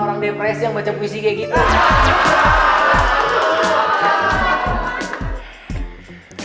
orang depresi yang baca puisi kayak gitu